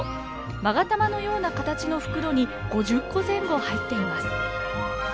まが玉のような形の袋に５０個前後入っています。